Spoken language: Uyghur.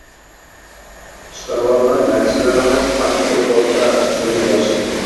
چىقىرىۋالغان نەرسىلىرىڭىز قانچە كۆپ بولسا شۇنچە ياخشى.